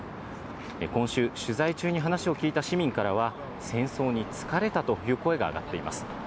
今週、取材中に話を聞いた市民からは、戦争に疲れたという声が上がっています。